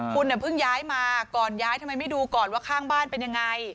คุณเพิ่งย้ายมาก่อนย้ายทำไมไม่ดูก่อนว่าข้างบ้านเป็นยังไง